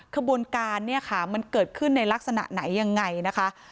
ขบวนการเนี่ยค่ะมันเกิดขึ้นในลักษณะไหนยังไงนะคะ